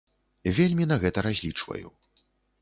Вельмі на гэта разлічваю.